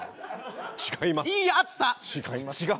違います。